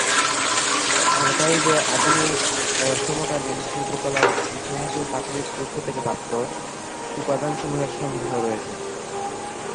আর্কাইভে আধুনিক ও সমকালীন শিল্পকলার ইতিহাসের প্রাথমিক উৎস থেকে প্রাপ্ত উপাদানসমূহের সংগ্রহ রয়েছে।